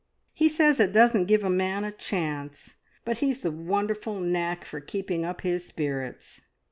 He says it doesn't give a man a chance; but he's the wonderful knack for keeping up his spirits!"